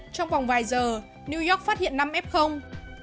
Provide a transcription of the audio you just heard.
trong vòng vài giờ new york phát hiện năm f